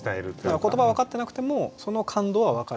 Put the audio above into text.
言葉は分かってなくてもその感動は分かるっていう。